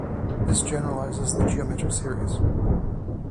This generalizes the geometric series.